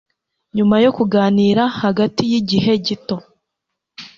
Nyuma yo kuganira hagati yigihe gito